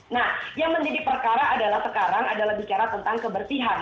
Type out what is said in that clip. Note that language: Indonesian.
nah yang menjadi perkara adalah sekarang adalah bicara tentang kebersihan